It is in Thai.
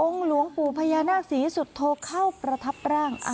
หลวงปู่พญานาคศรีสุโธเข้าประทับร่าง